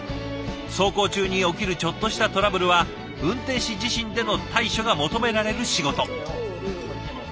走行中に起きるちょっとしたトラブルは運転士自身での対処が求められる仕事。